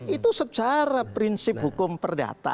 itu secara prinsip hukum perdata